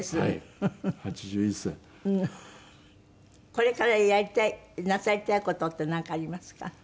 これからやりたいなさりたい事ってなんかありますか？